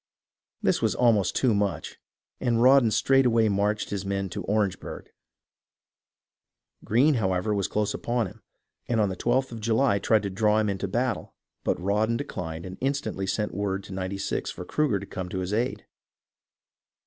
This was almost too much, and Rawdon straightway marched his men to Orange burgh. Greene, however, was close upon him, and on the 1 2th of July tried to draw him into battle, but Rawdon declined and instantly sent word to Ninety Six for Cruger to come to his aid.